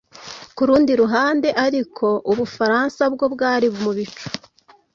Ku rundi ruhande ariko u Bufaransa bwo bwari mu bicu